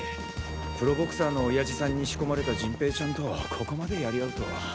プロボクサーの親父さんに仕込まれた陣平ちゃんとここまでやり合うとは。